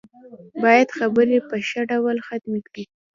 بايد خبرې په ښه ډول ختمې کړي.